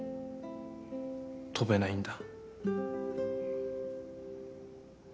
跳べないんだ。